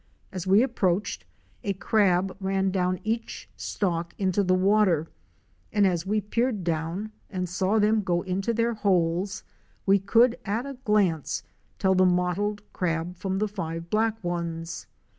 As we approached, a crab ran down each stalk into the water, and as we peered down and saw them go into their holes, we could at a glance tell the mottled crab from the five black ones.